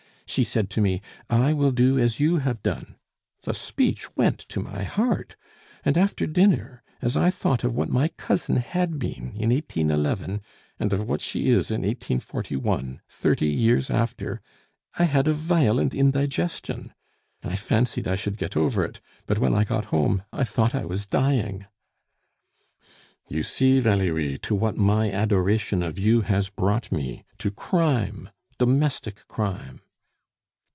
She said to me, 'I will do as you have done!' The speech went to my heart; and after dinner, as I thought of what my cousin had been in 1811, and of what she is in 1841 thirty years after I had a violent indigestion. I fancied I should get over it; but when I got home, I thought I was dying " "You see, Valerie, to what my adoration of you has brought me! To crime domestic crime!"